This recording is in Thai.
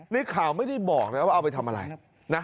ในข่าวไม่ได้บอกนะว่าเอาไปทำอะไรนะ